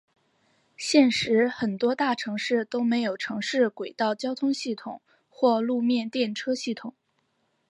现时很多大城市都设有城市轨道交通系统或路面电车系统。